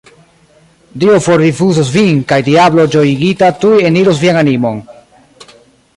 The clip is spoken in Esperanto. Dio forrifuzos vin, kaj diablo ĝojigita tuj eniros vian animon!